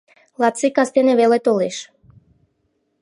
— Лаци кастене веле толеш.